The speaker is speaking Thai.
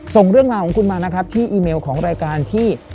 ส่งเรื่องราวของคุณมานะครับที่อีเมลของรายการที่